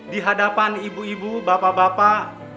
di hadapan ibu ibu bapak bapak